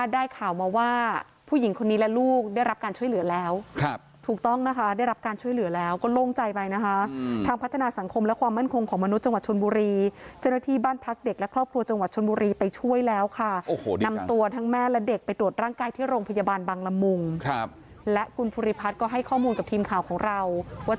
ดูข้างนอกเหมือนกับคนเมาแต่แกบอกว่าแกไม่ได้เมา